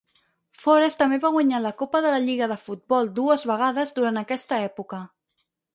Forest també va guanyar la Copa de la Lliga de Futbol dues vegades durant aquesta època.